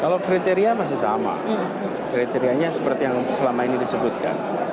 kalau kriteria masih sama kriterianya seperti yang selama ini disebutkan